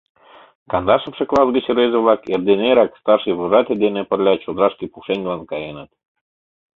Кандашымше класс гыч рвезе-влак эрден эрак старший вожатый дене пырля чодырашке пушеҥгылан каеныт.